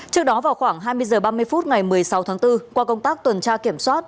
trước đó vào khoảng hai mươi h ba mươi phút ngày một mươi sáu tháng bốn qua công tác tuần tra kiểm soát